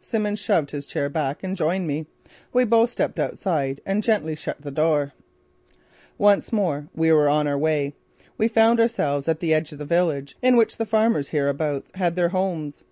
Simmons shoved his chair back and joined me. We both stepped outside and gently shut the door. Once more we were on our way! We found ourselves at the edge of the village in which the farmers hereabouts had their homes.